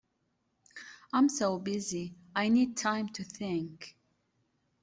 I'm so busy, I need time to think.